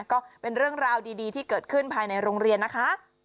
ก็เป็นเรื่องราวดีที่เกิดขึ้นภายในโรงเรียนนะคะ